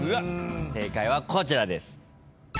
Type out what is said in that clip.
正解はこちらです。